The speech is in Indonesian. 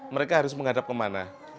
mereka harus menghadap kemana